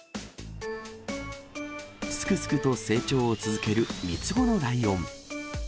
すくすくと成長を続ける３つ子のライオン。